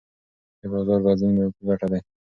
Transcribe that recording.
د بازار بدلون مې په ګټه دی.